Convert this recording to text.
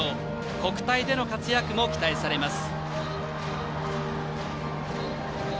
国体での活躍も期待されます。